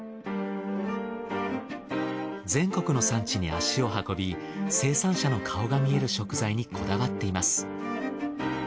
全国の産地に足を運び生産者の顔が見える食材にこだわっています。